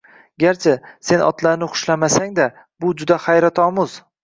Garchi, sen otlarni xushlamasang-da bu juda hayratomuz